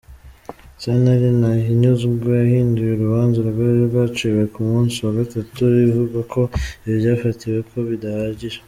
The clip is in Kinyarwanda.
Sentare ntahinyuzwa yahinduye urubanza rwari rwaciwe ku musi wa gatatu, ivuga ko ivyafatiweko bidahagije.